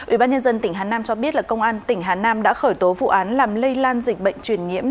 ủy ban nhân dân tỉnh hà nam cho biết là công an tỉnh hà nam đã khởi tố vụ án làm lây lan dịch bệnh truyền nhiễm